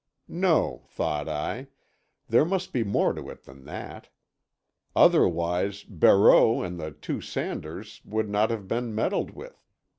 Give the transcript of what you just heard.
No, thought I, there must be more to it than that. Otherwise, Barreau and the two Sanders would not have been meddled with.